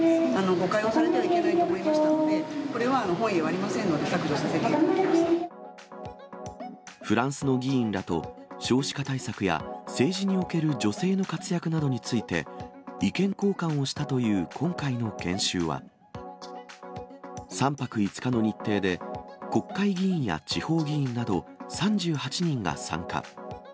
誤解をされてはいけないと思いましたので、これは本意ではありませんので、フランスの議員らと少子化対策や、政治における女性の活躍などについて、意見交換をしたという今回の研修は、３泊５日の日程で、国会議員や地方議員など３８人が参加。